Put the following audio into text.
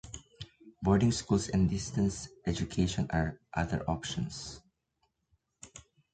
Boarding schools and distance education are other options.